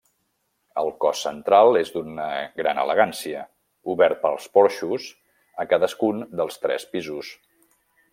El cos central és d'una gran elegància, obert pels porxos a cadascun dels tres pisos.